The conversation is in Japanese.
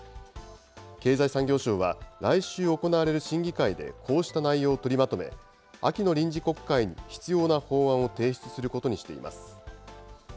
経済産業省は、来週行われる審議会でこうした内容を取りまとめ、秋の臨時国会に必要な法案を提出することにしています。